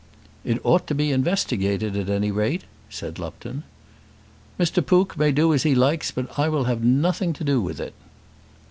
"It ought to be investigated at any rate," said Lupton. "Mr. Pook may do as he likes, but I will have nothing to do with it."